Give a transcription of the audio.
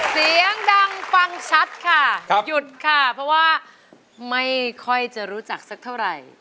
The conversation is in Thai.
เสียงดังฟังชัดค่ะหยุดค่ะเพราะว่าไม่ค่อยจะรู้จักสักเท่าไหร่